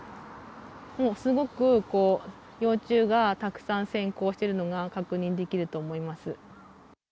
もうすごく、幼虫がたくさんせん孔しているのが確認できると思います。